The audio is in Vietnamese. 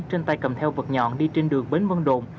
trên tay cầm theo vật nhọn đi trên đường bến vân đồn